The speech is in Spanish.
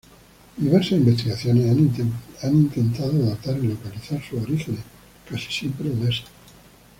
Diversas investigaciones han intentado datar y localizar sus orígenes, casi siempre en Asia.